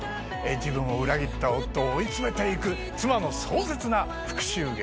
自分を裏切った夫を追い詰めていく妻の壮絶な復讐劇。